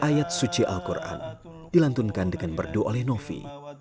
ayat suci al quran dilantunkan dengan berdoa oleh novi